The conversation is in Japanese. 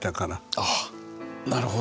ああなるほど。